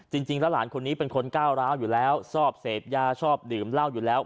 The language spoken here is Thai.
จริงแล้วหลานคนนี้เป็นคนก้าวร้าวอยู่แล้วชอบเสพยาชอบดื่มเหล้าอยู่แล้ว